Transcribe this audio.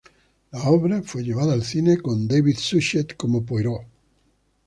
La obra fue llevada al cine con David Suchet como Poirot.